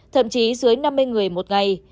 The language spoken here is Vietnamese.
thậm chí dưới năm mươi người một ngày